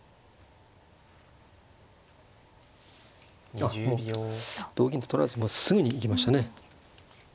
あっもう同銀と取らずにすぐに行きましたね。